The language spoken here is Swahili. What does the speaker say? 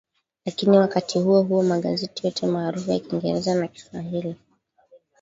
lakini wakati huo huo magazeti yote maarufu ya kiingereza na kiswahili